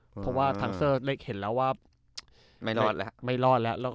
เพราะว่าทังเซอร์เลขเห็นแล้วว่าไม่รอดแล้ว